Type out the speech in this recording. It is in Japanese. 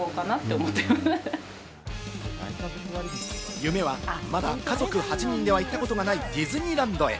夢は、まだ家族８人では行ったことがないディズニーランドへ。